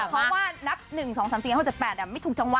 เพราะว่านับหนึ่งสองสามเสียงเขาจะแปดอ่ะไม่ถูกจังวะ